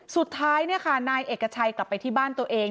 สุดท้ายนายเอกชัยกลับไปที่บ้านตัวเอง